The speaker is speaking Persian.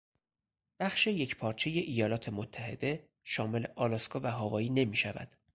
بخش یکپارچهی ایالات متحده شامل آلاسکا و هاوایی نمیشود.